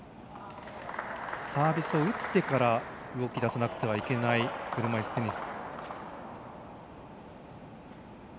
サービスを打ってから動き出さなくてはいけない車いすテニス。